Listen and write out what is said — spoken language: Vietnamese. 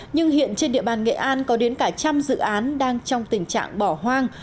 nhưng hiện trên địa bàn nghệ an có đến cả trăm dự án đang trong tình trạng bỏ hoang